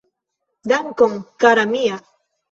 Dankon kara mia